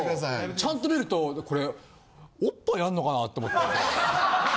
ちゃんと見るとこれおっぱいあんのかなと思った。